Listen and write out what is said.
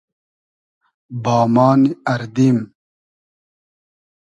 بامان اردیم